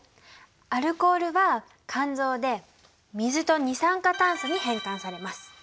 アルコールは肝臓で水と二酸化炭素に変換されます。